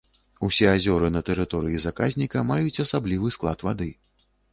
Усе азёры на тэрыторыі заказніка маюць асаблівы склад вады.